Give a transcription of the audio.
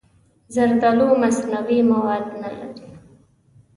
زردالو مصنوعي مواد نه لري.